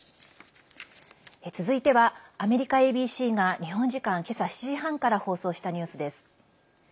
続いては、アメリカＡＢＣが日本時間けさ７時半から放送したニュースです。